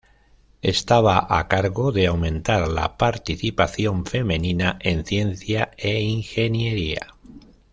Estaba a cargo de aumentar la participación femenina en ciencia e ingeniería.